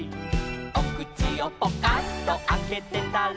「おくちをポカンとあけてたら」